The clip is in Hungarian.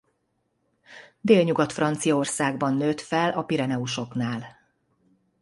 Délnyugat-Franciaországban nőtt fel a Pireneusoknál.